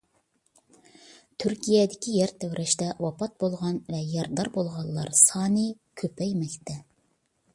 تۈركىيەدىكى يەر تەۋرەشتە ۋاپات بولغان ۋە يارىدار بولغانلار سانى كۆپەيمەكتە.